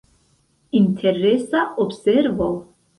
Interesa observo.